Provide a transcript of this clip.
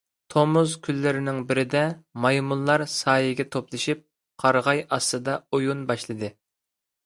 تومۇز كۈنلىرىنىڭ بىرىدە مايمۇنلار سايىگە توپلىشىپ، قارىغاي ئاستىدا ئويۇن باشلىدى.